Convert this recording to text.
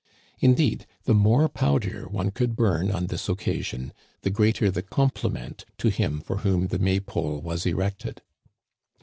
Indeed, the more powder one could bum on this occasion, the greater the compliment to him for whom the May pole was erected.